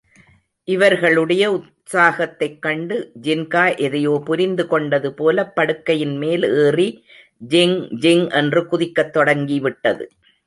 இவர்களுடைய உற்சாகத்தைக் கண்டு ஜின்கா, எதையோ புரிந்துகொண்டது போலப் படுக்கையின் மேல் ஏறி ஜிங்ஜிங் என்று குதிக்கத் தொடங்கிவிட்டது.